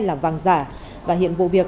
làm vàng giả và hiện vụ việc